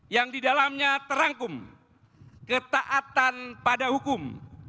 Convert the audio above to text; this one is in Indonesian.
yang didalamnya terangkum ketaatan pada hukum